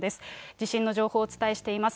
地震の情報をお伝えしています。